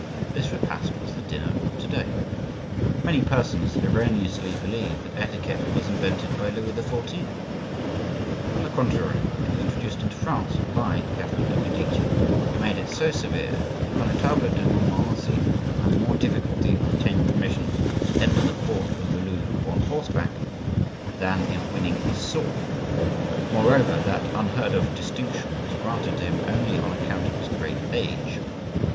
This repast was the dinner of to day. Many persons erroneously believe that etiquette was invented by Louis XIV.; on the contrary it was introduced into France by Catherine de' Medici, who made it so severe that the Connetable de Montmorency had more difficulty in obtaining permission to enter the court of the Louvre on horseback than in winning his sword; moreover, that unheard of distinction was granted to him only on account of his great age.